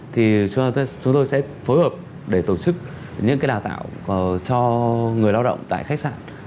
thì chúng tôi sẽ phối hợp để tổ chức những cái đào tạo cho người lao động tại khách sạn